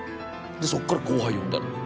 そっから後輩呼んだのよ。